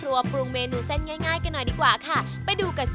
รับรองว่าถูกใจถูกปากกลับบ้านแน่นอนครับ